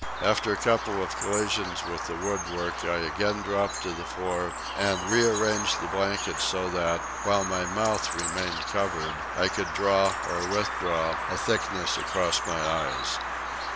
After a couple of collisions with the wood work I again dropped to the floor and rearranged the blankets so that, while my mouth remained covered, I could draw or withdraw, a thickness across my eyes.